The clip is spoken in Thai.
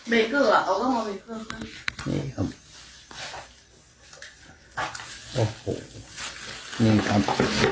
เบเกอร์อ่ะเอาล่ะเอาเบเกอร์นี่ครับ